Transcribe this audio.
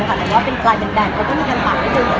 แผลควรเป็นแดดเขาจะมีการฝากให้ดึง